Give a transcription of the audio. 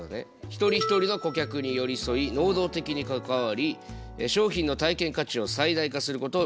一人一人の顧客に寄り添い能動的に関わり商品の体験価値を最大化することを目指すという考え方。